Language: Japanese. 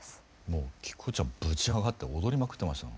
もう希子ちゃんブチ上がって踊りまくってました。